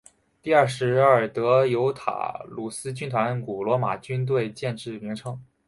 第二十二德尤塔卢斯军团古罗马军队建制名称。